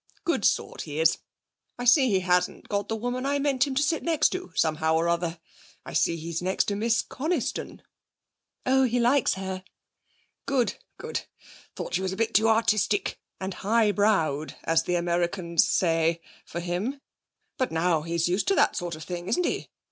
Good sort he is. I see he hasn't got the woman I meant him to sit next to, somehow or other. I see he's next to Miss Coniston.' 'Oh, he likes her.' 'Good, good. Thought she was a bit too artistic, and high browed, as the Americans say, for him. But now he's used to that sort of thing, isn't he?